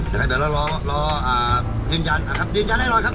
ถ้าเกิดแล้วรอรออ่าเชียญยันอะครับเชียญยันได้ร้อยครับ